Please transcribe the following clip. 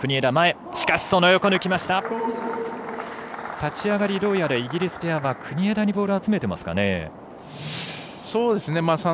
立ち上がりどうやらイギリスペアは眞田にボールを集めていますかね。